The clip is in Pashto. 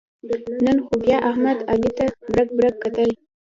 نن خو بیا احمد علي ته برگ برگ کتل.